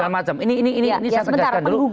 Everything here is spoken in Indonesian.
ini saya tegarkan dulu